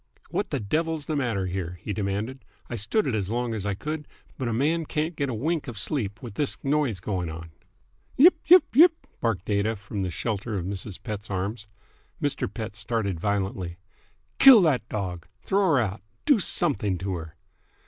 "What the devil's the matter here?" he demanded. "I stood it as long as I could, but a man can't get a wink of sleep with this noise going on!" "Yipe! Yipe! Yipe!" barked Aida from the shelter of Mrs. Pett's arms. Mr. Pett started violently. "Kill that dog! Throw her out! Do something to her!"